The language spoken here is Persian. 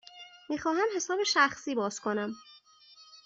می خواهم حساب شخصی باز کنم.